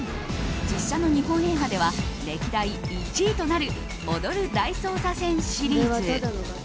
実写の日本映画では歴代１位となる「踊る大捜査線」シリーズ。